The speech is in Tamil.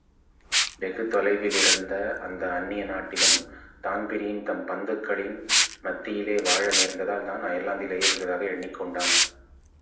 வெகுதொலைவிலிருந்த அந்த அந்நிய நாட்டிலும், தான்பிரீன் தம் பந்துக்களின் மத்தியிலே வாழ நேர்ந்ததால், தான் அயர்லாந்திலேயே இருந்ததாக எண்ணிக்கொண்டான்.